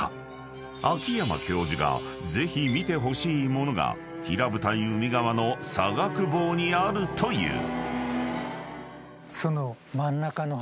［秋山教授がぜひ見てほしい物が平舞台海側の左楽房にあるという］